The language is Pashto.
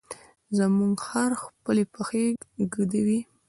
زموږ خر خپلې پښې ږدوي.